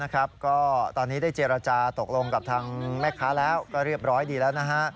โดยเธอนั้นบอกว่าตอนนี้ได้เจรจาตกลงกับทางแม่ค้าแล้วก็เรียบร้อยดีแล้วนะฮะ